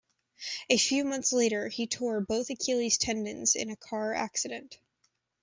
A few months later, he tore both Achilles tendons in a car accident.